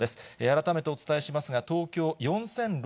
改めてお伝えしますが、東京、４０６７人。